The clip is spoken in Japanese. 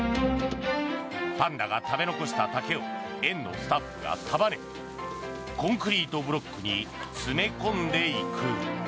パンダが食べ残した竹を園のスタッフが束ねコンクリートブロックに詰め込んでいく。